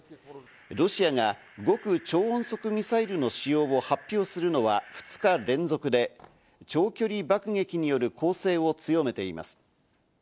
ロシアが極超音速ミサイルの使用を発表するのは２日連続で、超距離爆撃による攻勢を強めています。